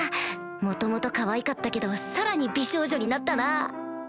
元々かわいかったけどさらに美少女になったな